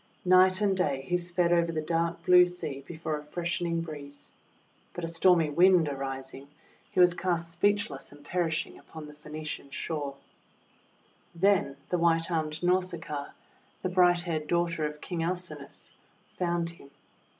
Night and day he sped over the dark blue sea before a freshening breeze. But a stormy Wind arising, he was cast speechless and perishing upon the Phaeacian shore. Then the white armed Nausicaa, the bright haired daughter of King Alcinous, found him.